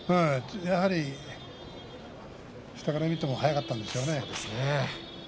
やはり下から見ても早かったんでしょうね。